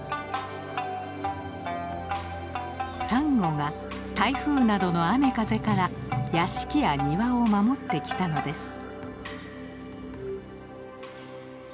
サンゴが台風などの雨風から屋敷や庭を守ってきたのです。